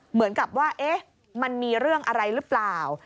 เหมือนกับว่ามันมีเรื่องอะไรหรือเปล่า